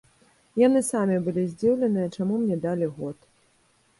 Яны самі былі здзіўленыя, чаму мне далі год.